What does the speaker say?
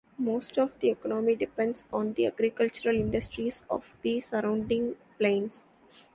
Most of the economy depends on the agricultural industries of the surrounding plains.